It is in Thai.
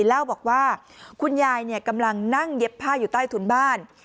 เล่าบอกว่าคุณยายกำลังนั่งเย็บผ้าอยู่ใต้ถุนบ้าน